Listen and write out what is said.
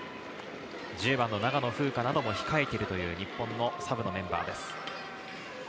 １０番・長野風花なども控えている日本のサブのメンバーです。